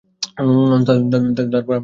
তারপর আমরা সারাজীবন একসাথে থাকতে পারবো!